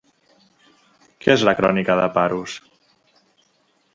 Què és la crònica de Paros?